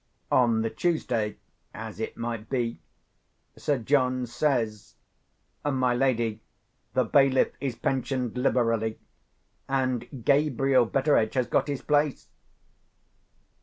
On the Tuesday as it might be, Sir John says, "My lady, the bailiff is pensioned liberally; and Gabriel Betteredge has got his place."